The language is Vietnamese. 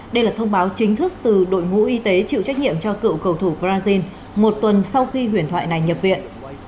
đây là thông báo chính thức từ đội ngũ y tế chịu trách nhiệm cho cựu cầu thủ brazil một tuần sau khi huyền thoại này nhập viện